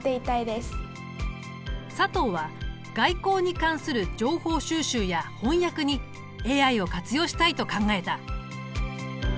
佐藤は外交に関する情報収集や翻訳にＡＩを活用したいと考えた。